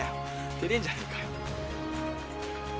てれんじゃねえかよ。